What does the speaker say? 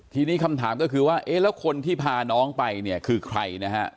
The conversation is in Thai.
ทีนี้คำถามก็คือว่าเอ๊ะแล้วคนที่พาน้องไปเนี่ยคือใครนะฮะ